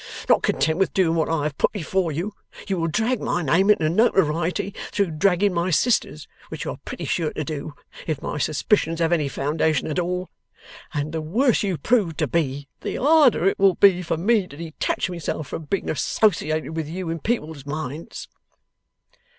Not content with doing what I have put before you, you will drag my name into notoriety through dragging my sister's which you are pretty sure to do, if my suspicions have any foundation at all and the worse you prove to be, the harder it will be for me to detach myself from being associated with you in people's minds.